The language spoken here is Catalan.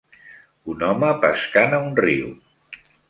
Un home pescant a un riu